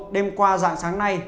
đêm qua dạng sáng nay